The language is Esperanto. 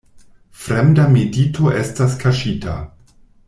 Fremda medito estas kaŝita.